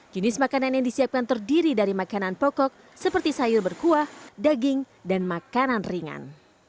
jenis makanan yang disiapkan terdiri dari makanan pokok seperti sayur berkuah daging dan makanan ringan